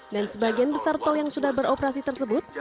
dan sebagian besar tol yang sudah beroperasi tersebut